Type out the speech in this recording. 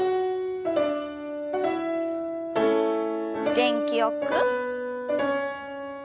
元気よく。